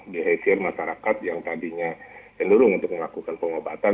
behavior masyarakat yang tadinya cenderung untuk melakukan pengobatan